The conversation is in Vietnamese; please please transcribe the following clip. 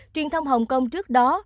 truyền thông hồng kông trước đó